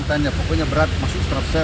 dia tanya tanya pokoknya berat masuk stafsel